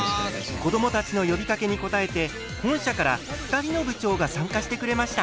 子どもたちの呼びかけに応えて本社から２人の部長が参加してくれました。